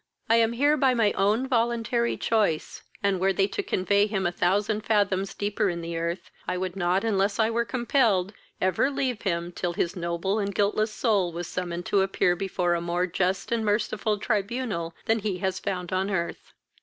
I am here by my own voluntary choice, and were they to convey him a thousand fathoms deeper in the earth, I would not, unless I were compelled, ever leave him till his noble and guiltless soul was summoned to appear before a more just and merciful tribunal than he has found on earth."